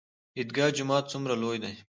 عیدګاه جومات څومره لوی دی؟